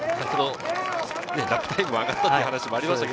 ラップタイムも上がったという話もありましたね。